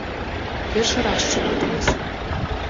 Першы раз чую ад вас.